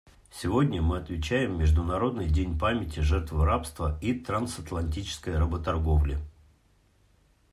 Сегодня мы отмечаем Международный день памяти жертв рабства и трансатлантической работорговли.